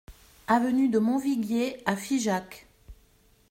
Avenue de Montviguier à Figeac